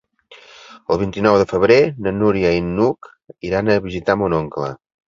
El vint-i-nou de febrer na Núria i n'Hug iran a visitar mon oncle.